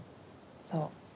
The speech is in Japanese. そう。